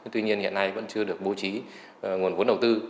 tuy nhiên hiện nay vẫn chưa được bố trí nguồn vốn đầu tư